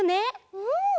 うん！